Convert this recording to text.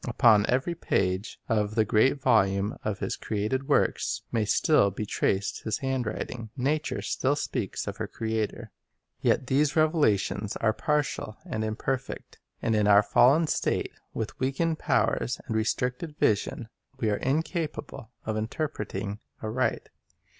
Upon every page of the great volume of His created works may still be traced His handwriting. Nature still speaks of her Creator. Yet these revelations are partial and imperfect. And in our fallen state, with weakened powers and restricted vision, we are incapable of interpreting aright.